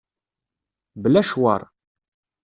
Bla ccwer.